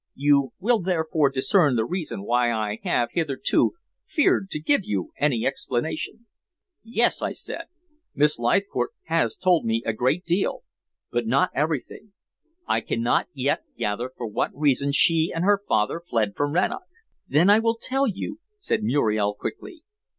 You will therefore discern the reason why I have hitherto feared to give you any explanation." "Yes," I said, "Miss Leithcourt has told me a great deal, but not everything. I cannot yet gather for what reason she and her father fled from Rannoch." "Then I will tell you," said Muriel quickly.